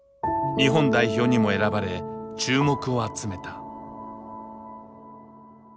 日本代表にも選ばれ注目を集めた。